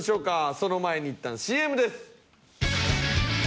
その前にいったんＣＭです。